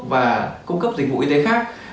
và cung cấp dịch vụ y tế khác